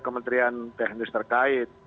kementerian teknis terkait